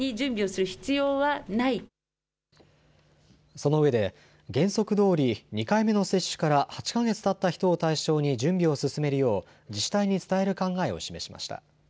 その上で、原則どおり、２回目の接種から８か月たった人を対象に準備を進めるよう、自治体に伝える考えを示しました。